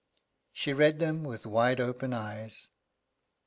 She read them with wide open eyes.